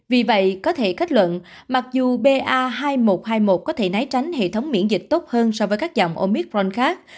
vì vậy có thể kết luận mặc dù ba hai một hai một có thể né tránh hệ thống miễn dịch tốt hơn so với các dòng omicron khác